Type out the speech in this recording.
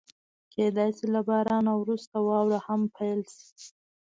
کېدای شي له بارانه وروسته واوره هم پيل شي.